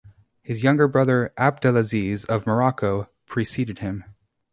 His younger brother, Abdelaziz of Morocco, preceded him.